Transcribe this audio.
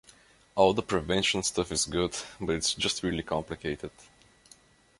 All the prevention stuff is good but it's just really complicated.